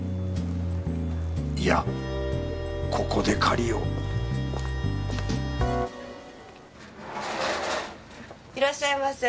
いやここで借りよういらっしゃいませ。